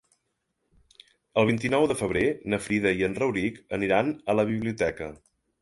El vint-i-nou de febrer na Frida i en Rauric aniran a la biblioteca.